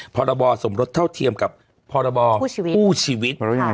พรบสมรสเท่าเทียมกับพรบคู่ชีวิต